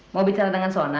mau bicara dengan sona